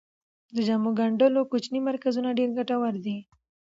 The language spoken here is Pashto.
د جامو ګنډلو کوچني مرکزونه ډیر ګټور دي.